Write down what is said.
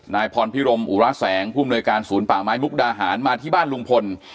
นายพรพิรมอุระแสงผู้อำนวยการศูนย์ป่าไม้มุกดาหารมาที่บ้านลุงพล